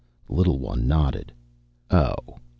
The little one nodded. "Oh?"